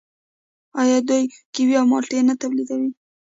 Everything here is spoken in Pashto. آیا دوی کیوي او مالټې نه تولیدوي؟